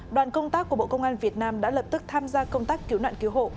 đoàn công tác của bộ công an việt nam đã lập tức tham gia công tác cứu nạn cứu hộ